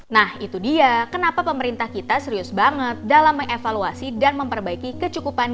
nah itu dia kenapa pemerintah kita serius banget dalam mengevaluasi dan memperbaiki kecukupan